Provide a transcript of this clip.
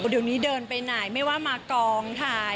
เดี๋ยวนี้เดินไปไหนไม่ว่ามากองถ่าย